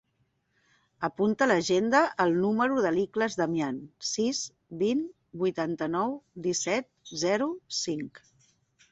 Apunta a l'agenda el número de l'Ikhlas Damian: sis, vint, vuitanta-nou, disset, zero, cinc.